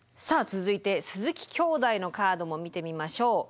続いて鈴木きょうだいのカードも見てみましょう。